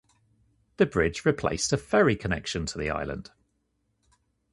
The bridge replaced a ferry connection to the island.